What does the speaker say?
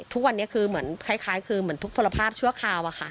ทุกวันนี้คือเหมือนคล้ายคือเหมือนทุกผลภาพชั่วคราวอะค่ะ